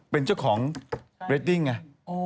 เป็นเจ้าของเรดดิ้งไง